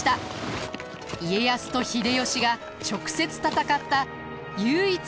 家康と秀吉が直接戦った唯一の大戦です。